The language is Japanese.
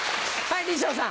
はい。